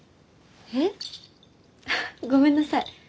えっ？あごめんなさい。